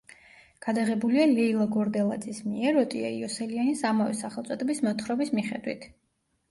გადაღებულია ლეილა გორდელაძის მიერ ოტია იოსელიანის ამავე სახელწოდების მოთხრობის მიხედვით.